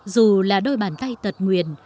dù là đôi bàn tay tật nguyện